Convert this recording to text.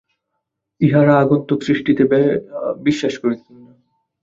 ইঁহারা আগন্তুক সৃষ্টিতে বিশ্বাস করিতেন না।